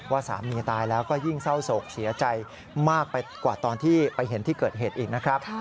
สามีตายแล้วก็ยิ่งเศร้าโศกเสียใจมากไปกว่าตอนที่ไปเห็นที่เกิดเหตุอีกนะครับ